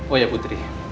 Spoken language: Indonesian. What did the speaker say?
oh ya putri